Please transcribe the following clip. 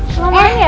selamat malam ya